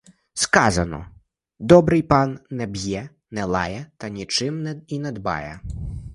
Сказано: добрий пан — не б'є, не лає, та нічим і не дбає.